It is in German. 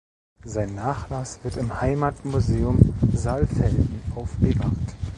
Sein Nachlass wird im Heimatmuseum Saalfelden aufbewahrt.